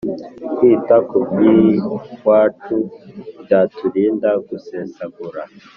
kwita ku by’iwacu byaturinda gusesagura